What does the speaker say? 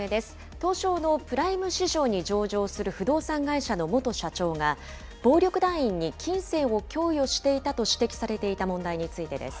東証のプライム市場に上場する不動産会社の元社長が、暴力団員に金銭を供与していたと指摘されていた問題についてです。